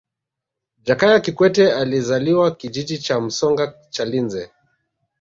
jakaya kikwete alizaliwa kijiji cha msoga chalinze